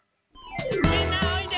みんなおいで！